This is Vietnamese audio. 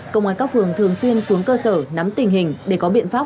công an các phường thường xuyên xuống cơ sở nắm tình hình để có biện pháp